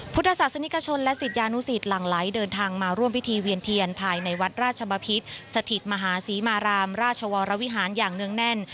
พุทธศาสนิกชนและศิษยานุสิตหลั่งไหลเดินทางมาร่วมพิธีเวียนเทียนภายในวัดราชบพิษสถิตมหาศรีมารามราชวรวิหารอย่างเนื่องแน่น